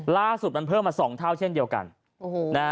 ล่าสุดมันเพิ่มมา๒เท่าเช่นเดียวกัน